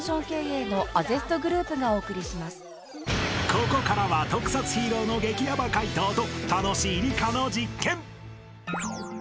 ［ここからは特撮ヒーローの激ヤバ解答と楽しい理科の実験］